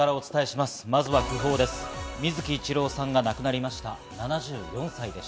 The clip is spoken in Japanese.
まずは訃報です。